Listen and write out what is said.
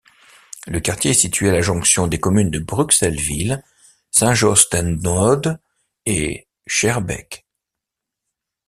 Le quartier est situé à la jonction des communes de Bruxelles-ville, Saint-Josse-ten-Noode et Schaerbeek.